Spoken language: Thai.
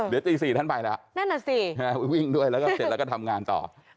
เดี๋ยว๔ท่านไปแล้ววิ่งด้วยเสร็จแล้วก็ทำงานต่อ